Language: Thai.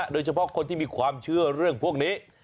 โดยเฉพาะคนที่มีความเชื่อเรื่องพวกนี้